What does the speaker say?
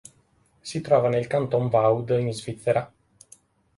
Si trova nel Canton Vaud in Svizzera.